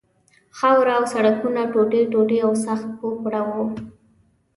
خاوره او سړکونه ټوټې ټوټې او سخت اوپړه وو.